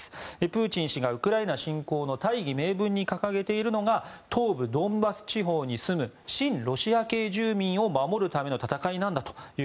プーチン氏がウクライナ侵攻の大義名分に掲げているのが東部ドンバス地方に住む親ロシア系住民を守るための戦いだと。